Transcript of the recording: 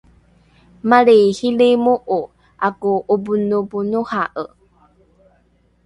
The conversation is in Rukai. malriihilimo’o ’ako’oponoponohae